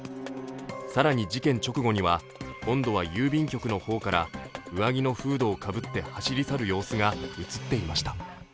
更に事件直後には今度は郵便局の方から上着のフードを被って走り去る様子が映っていました。